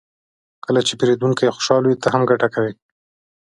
کله چې پیرودونکی خوشحال وي، ته هم ګټه کوې.